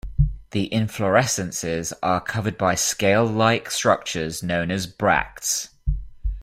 The inflorescences are covered by scale-like structures known as bracts.